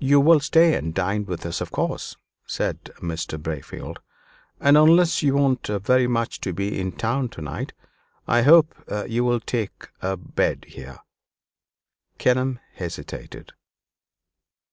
"You will stay and dine with us, of course," said Mr. Braefield; "and unless you want very much to be in town to night, I hope you will take a bed here." Kenelm hesitated.